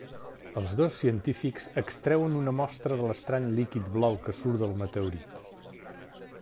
Els dos científics extreuen una mostra de l'estrany líquid blau que surt del meteorit.